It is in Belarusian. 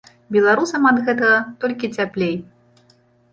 Беларусам ад гэтага толькі цяплей.